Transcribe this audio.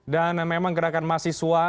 dan memang gerakan mahasiswa